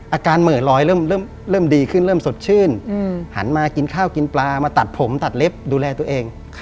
อาการเหมือนรอยเริ่มดีขึ้นเริ่มสดชื่นหันมากินข้าวกินปลามาตัดผมตัดเล็บดูแลตัวเอง